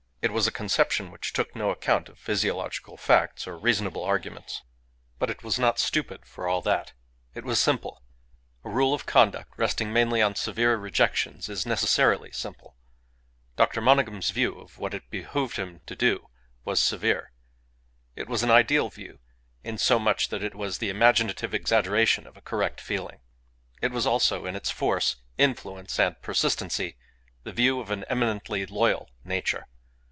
It was a conception which took no account of physiological facts or reasonable arguments; but it was not stupid for all that. It was simple. A rule of conduct resting mainly on severe rejections is necessarily simple. Dr. Monygham's view of what it behoved him to do was severe; it was an ideal view, in so much that it was the imaginative exaggeration of a correct feeling. It was also, in its force, influence, and persistency, the view of an eminently loyal nature.